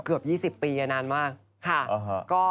เกือบ๒๐ปีนานมากค่ะ